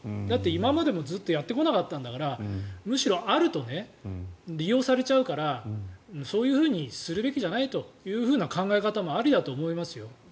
今までもずっとやってこなかったんだからむしろあると利用されちゃうからそういうふうにするべきじゃないというふうな考え方もありだと思いますよ。